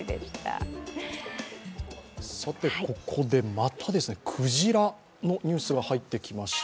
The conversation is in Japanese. ここで、またクジラのニュースが入ってきました。